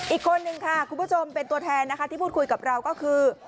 อีกคนนึงค่ะคุณผู้ชมเป็นตัวแทนนะคะที่พูดคุยกับเราก็คือ